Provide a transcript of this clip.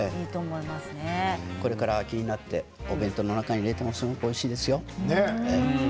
これから秋になってお弁当の中に入れてもすごくおいしいですよ。